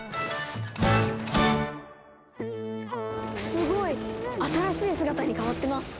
すごい！新しい姿に変わってます。